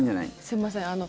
すみません。